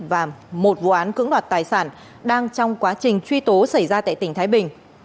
và một vụ án cưỡng đoạt tài sản đang trong quá trình truy tố xảy ra tại tỉnh thái bình